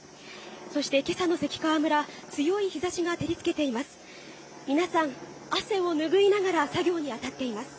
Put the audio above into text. そして今朝の関川村、強い日差しが照りつけています。